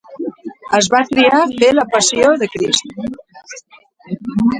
Es va triar fer la Passió de Crist.